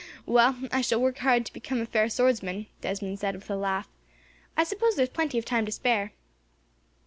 "Well, I shall work hard to become a fair swordsman," Desmond said, with a laugh. "I suppose there is plenty of time to spare."